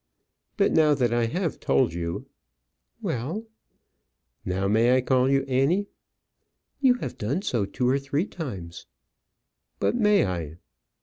"But now that I have told you " "Well " "Now may I call you Annie?" "You have done so two or three times." "But may I?"